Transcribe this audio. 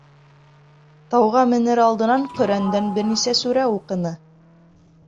Тауға менер алдынан Ҡөрьәндән бер нисә сүрә уҡыны.